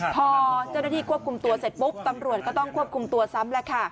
พอเจ้าหน้าที่ควบคุมตัวเสร็จปุ๊บตำรวจก็ต้องควบคุมตัวซ้ำแล้วค่ะ